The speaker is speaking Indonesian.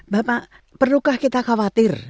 bapak perlukah kita khawatir